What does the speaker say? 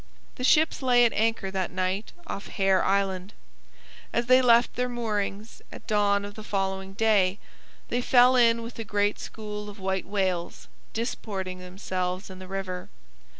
The ships lay at anchor that night off Hare Island. As they left their moorings, at dawn of the following day, they fell in with a great school of white whales disporting themselves in the river.